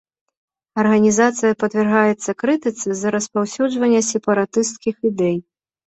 Арганізацыя падвяргаецца крытыцы з-за распаўсюджвання сепаратысцкіх ідэй.